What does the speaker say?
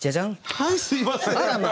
はいすみません。